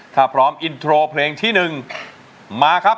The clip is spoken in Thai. ถ้าพร้อมอินโทรเพลงที่๑มาครับ